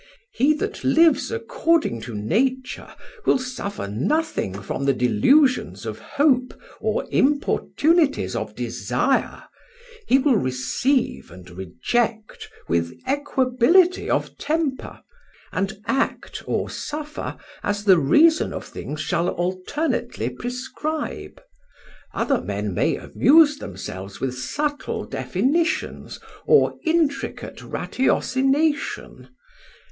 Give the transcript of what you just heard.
He that lives according to Nature will suffer nothing from the delusions of hope or importunities of desire; he will receive and reject with equability of temper; and act or suffer as the reason of things shall alternately prescribe. Other men may amuse themselves with subtle definitions or intricate ratiocination.